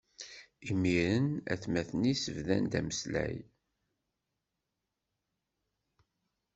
Imiren atmaten-is bdan ameslay yid-s.